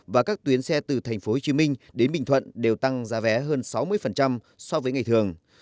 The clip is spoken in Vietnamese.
và các tuyến xe từ tp hcm đến bình thuận đều tăng giá vé hơn sáu mươi so với ngày thường